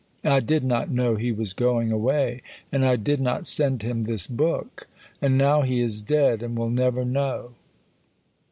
I did not know he was going away. And I did not send him this book. And now he is dead, and will never know.